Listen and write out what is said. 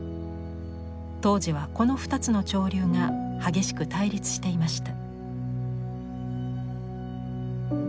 当時はこの２つの潮流が激しく対立していました。